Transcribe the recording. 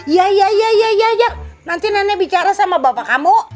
ya ya ya ya ya ya nanti nenek bicara sama bapak kamu